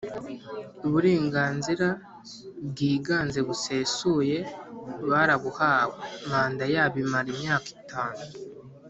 Uburenganzira bwiganze busesuye barabuhawe. Manda yabo imara imyaka itanu